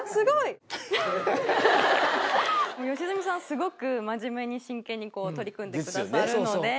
すごく真面目に真剣に取り組んでくださるので。